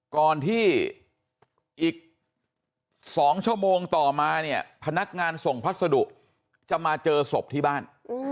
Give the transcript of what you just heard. ก่อนที่อีก๒ชั่วโมงต่อมาเนี่ยพนักงานส่งพัสดุจะมาเจอศพที่บ้าน